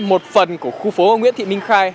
một phần của khu phố nguyễn thị minh khai